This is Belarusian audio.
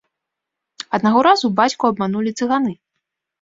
Аднаго разу бацьку абманулі цыганы.